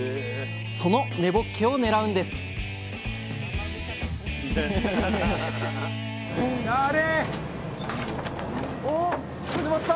その根ぼっけを狙うんですやれ。